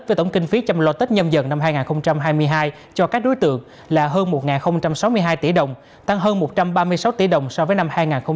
với tổng kinh phí chăm lo tết nhân dân năm hai nghìn hai mươi hai cho các đối tượng là hơn một sáu mươi hai tỷ đồng tăng hơn một trăm ba mươi sáu tỷ đồng so với năm hai nghìn hai mươi hai